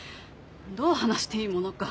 「どう話していいものか」